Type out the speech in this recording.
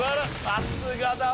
さすがだわ！